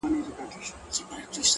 او ته خبر د کوم غریب د کور له حاله یې ـ